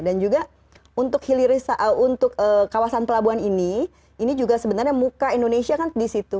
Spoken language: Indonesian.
dan juga untuk kawasan pelabuhan ini ini juga sebenarnya muka indonesia kan di situ